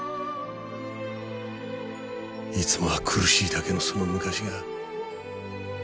いつもは苦しいだけのその昔が。